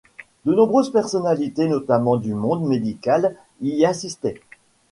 De nombreuses personnalités, notamment du monde médical, y assistaient.